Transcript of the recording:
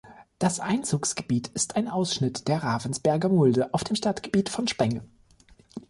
Das Einzugsgebiet ist ein Ausschnitt der Ravensberger Mulde auf dem Stadtgebiet von Spenge.